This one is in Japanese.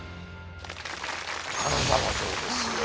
金沢城ですよ。